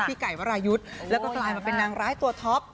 พี่ไก่วรายุทธ์แล้วก็กลายมาเป็นนางร้ายตัวท็อป